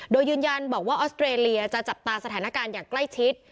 โดยยืนยันบอกว่าออสเตรเลียจะจับตาสถานการณ์อย่างใกล้ชิด